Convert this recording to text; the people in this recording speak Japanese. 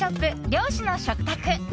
漁師の食卓。